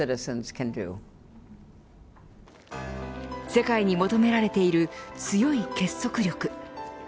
世界に求められている強い結束力。